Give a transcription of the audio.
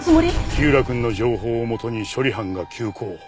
火浦くんの情報をもとに処理班が急行。